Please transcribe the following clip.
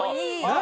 何？